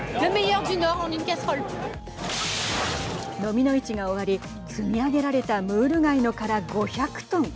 のみの市が終わり積み上げられたムール貝の殻５００トン。